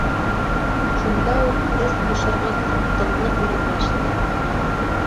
Шунда уҡ эс бошорғос тынлыҡ урынлашты.